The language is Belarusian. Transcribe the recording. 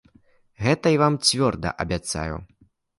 Гэта я вам цвёрда абяцаю.